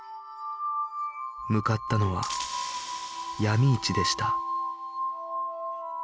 向かったのは闇市でした